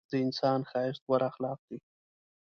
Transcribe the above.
د انسان ښایست غوره اخلاق دي.